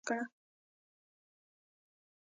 جان ډي راکلفیلر کمپنۍ تاسیس کړه.